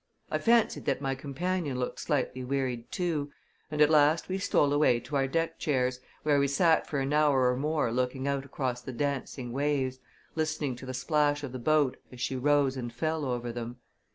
I fancied that my companion looked slightly wearied, too, and at last we stole away to our deck chairs, where we sat for an hour or more looking out across the dancing waves, listening to the splash of the boat as she rose and fell over them.